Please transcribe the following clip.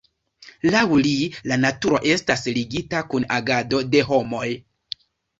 Laŭ li, la naturo estas ligita kun agado de homoj.